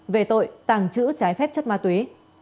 về tội tàng trữ trái phép chất ma túy